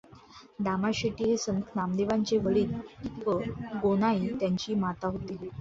दामाशेटी हे संत नामदेवांचे वडील व गोणाई त्यांची माता होती.